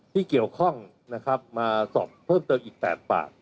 ที่เกี่ยวข้องนะครับมาสอบเพิ่มเติมอีก๘ปาก